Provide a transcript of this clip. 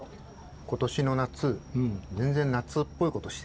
今年の夏全然夏っぽいことしてないんですよ。